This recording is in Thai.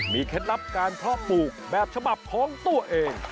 เคล็ดลับการเพาะปลูกแบบฉบับของตัวเอง